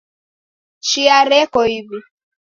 Chia reko iw'i.